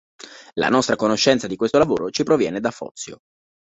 La nostra conoscenza di questo lavoro ci proviene da Fozio.